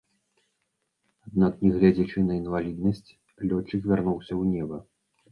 Аднак, нягледзячы на інваліднасць, лётчык вярнуўся ў неба.